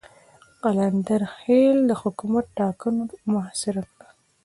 قلندر خېل د حکومت ټانګونو محاصره کړ.